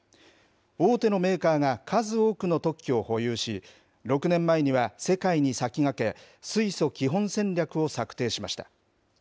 大手のメーカーが数多くの特許を保有し、６年前には世界に先駆け、水素基本戦略を策定しました。